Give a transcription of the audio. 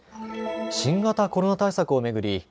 新型コロナ対策を巡り